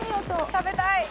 食べたい！